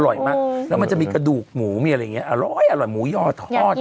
อร่อยมากแล้วมันจะมีกระดูกหมูมีอะไรอย่างเงี้อร้อยหมูย่อทอด